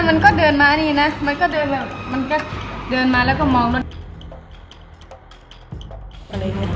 มันก็เดินมาแล้วก็มอง